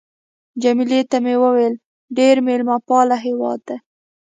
جميله ته مې وویل: ډېر مېلمه پال هېواد دی.